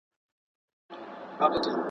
د کلیو او ښارونو استازیتوب څنګه کیږي؟